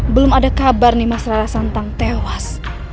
belum ada kabar nih mas rara santang tewas